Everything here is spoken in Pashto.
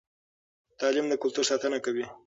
تعلیم د کلتور ساتنه کوي.